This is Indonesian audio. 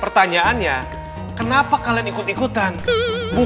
pertanyaannya kalian semua mau gak jadi orang seperti itu